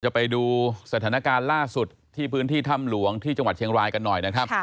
ไปดูสถานการณ์ล่าสุดที่พื้นที่ถ้ำหลวงที่จังหวัดเชียงรายกันหน่อยนะครับ